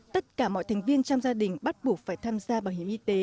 tất cả mọi thành viên trong gia đình bắt buộc phải tham gia bảo hiểm y tế